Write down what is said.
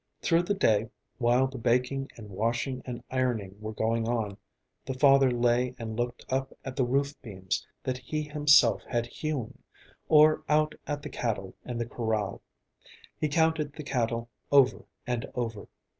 Through the day, while the baking and washing and ironing were going on, the father lay and looked up at the roof beams that he himself had hewn, or out at the cattle in the corral. He counted the cattle over and over.